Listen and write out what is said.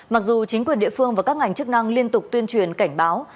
mặc dù chính quyền địa phương và các ngành chức năng liên tục tuyên truyền cảnh báo